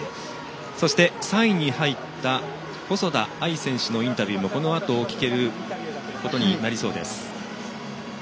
３位に入った細田あい選手のインタビューもこのあと聞けることになりそうです。